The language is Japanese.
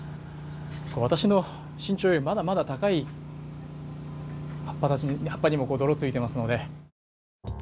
私の身長より、まだまだ高い葉っぱにも泥がついていますので。